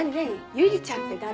百合ちゃんって誰？